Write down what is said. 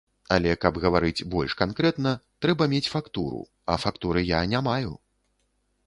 Але каб гаварыць больш канкрэтна, трэба мець фактуру, а фактуры я не маю.